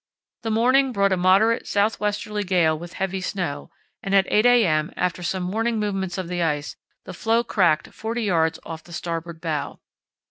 The morning brought a moderate south westerly gale with heavy snow, and at 8 a.m., after some warning movements of the ice, the floe cracked 40 yds. off the starboard bow.